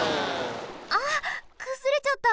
あっくずれちゃった！